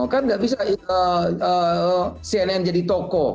kan nggak bisa cnn jadi toko